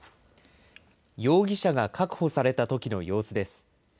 容疑者が確保されたときの様子です。